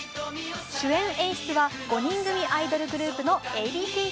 主演・演出は５人組アイドルグループのＡ．Ｂ．Ｃ−Ｚ。